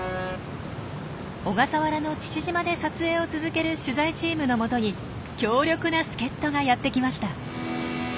小笠原の父島で撮影を続ける取材チームのもとに強力な助っ人がやって来ました。